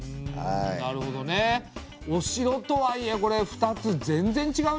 なるほどね。お城とはいえこれ２つ全然ちがうね。